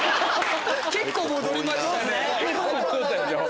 結構戻りましたね。